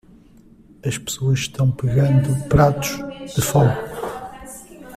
As pessoas estão pegando pratos de fogo.